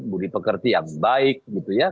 budi pekerti yang baik gitu ya